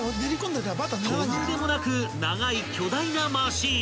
［とんでもなく長い巨大なマシン］